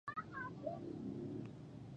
وپاګیتا سريش ایکسپریس بالر وه.